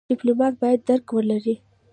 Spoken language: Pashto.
ډيپلومات بايد درک ولري.